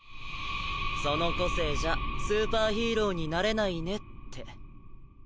その個性じゃスーパーヒーローになれないねって。